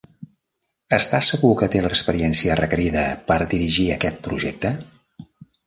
Estàs segur que té l'experiència requerida per dirigir aquest projecte?